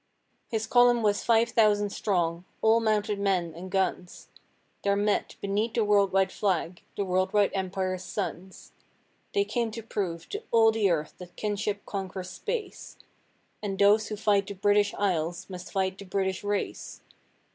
His column was five thousand strong all mounted men and guns: There met, beneath the world wide flag, the world wide Empire's sons; They came to prove to all the earth that kinship conquers space, And those who fight the British Isles must fight the British race!